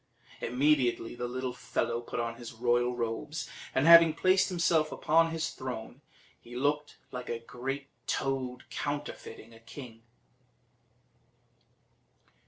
Immediately the little fellow put on his royal robes, and having placed himself upon his throne, he looked like a great toad counterfeiting a king.